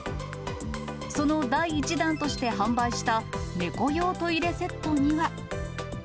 その第１弾として販売した、猫用トイレセットには。